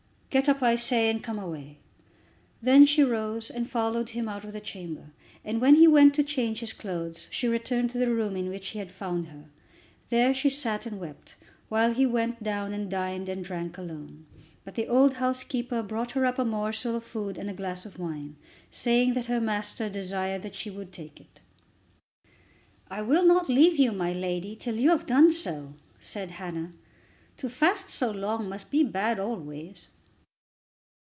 "Get up, I say, and come away." Then she rose, and followed him out of the chamber, and when he went to change his clothes she returned to the room in which he had found her. There she sat and wept, while he went down and dined and drank alone. But the old housekeeper brought her up a morsel of food and a glass of wine, saying that her master desired that she would take it. "I will not leave you, my lady, till you have done so," said Hannah. "To fast so long must be bad always."